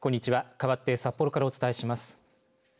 かわって札幌からお伝えします。